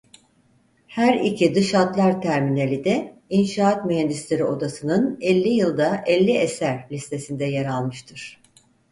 Her iki dış hatlar terminali de İnşaat Mühendisleri Odası'nın elli Yılda elli Eser listesinde yer almıştır.